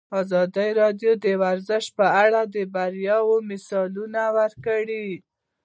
ازادي راډیو د ورزش په اړه د بریاوو مثالونه ورکړي.